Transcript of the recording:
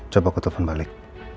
coba aku telfon balik